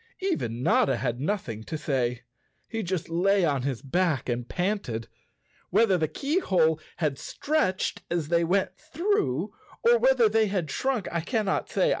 Even Notta had nothing to say. He just lay on his back and panted. Whether the keyhole had stretched as they went through or whether they had shrunk, I cannot say.